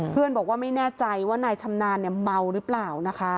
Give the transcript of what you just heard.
เพื่อนบอกว่าไม่แน่ใจว่านายชำนานเมาหรือเปล่า